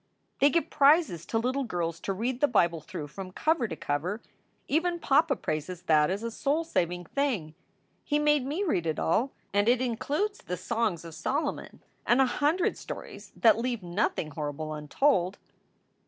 "They give prizes to little girls to read the Bible through from cover to cover. Even papa praises that as a soul saving thing! He made me read it all, and it includes the Songs of Solomon and a hundred stories that leave nothing horrible untold."